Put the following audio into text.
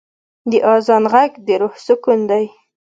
د آذان ږغ د روح سکون دی.